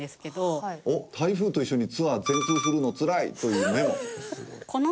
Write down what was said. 「台風と一緒にツアー全通するのつらい」というメモ。